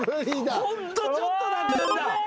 ホントちょっとだったんだ。